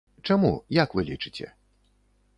Чаму, як вы лічыце?